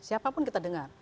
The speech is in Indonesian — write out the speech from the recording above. siapapun kita dengar